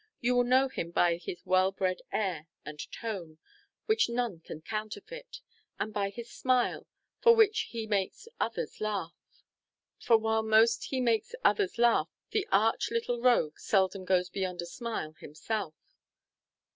You will know him by his well bred air and tone, which none can counterfeit; and by his smile; for while most he makes others laugh, the arch little rogue seldom goes beyond a smile himself!